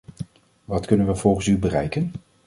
Wat kunnen we volgens u bereiken?